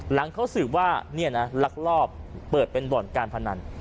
หลังเขาสืบว่าลักลอบเปิดเป็นบ่อนการพนัน